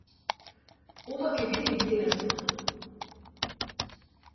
Ова ќе биде интересно.